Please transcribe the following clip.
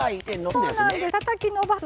そうなんです。